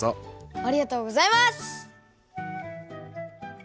ありがとうございます！